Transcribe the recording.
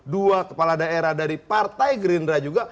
dua kepala daerah dari partai gerindra juga